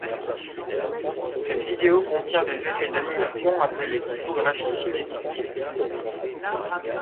Cette vidéo contient des effets d'animation appelés typographie cinétique.